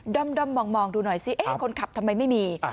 ด้อมมองดูหน่อยซิคนขับทำไมไม่มี